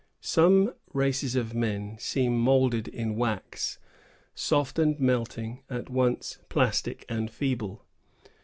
Some races of men seem moulded in wax, soft and melting, at once plastic and feeble.